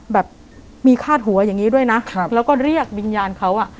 แบบมีคาดหัวอย่างนี้ด้วยนะครับแล้วก็เรียกวิญญาณเขาอ่ะ